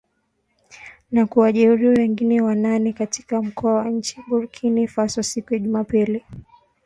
Na kuwajeruhi wengine wanane katika mkoa wa nchini Burkina Faso siku ya Jumapili.